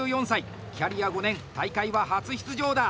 キャリア５年、大会は初出場だ！